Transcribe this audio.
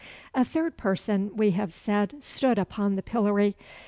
A third person, we have said, stood upon the pillory.